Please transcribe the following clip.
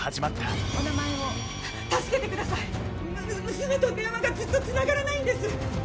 娘と電話がずっとつながらないんです！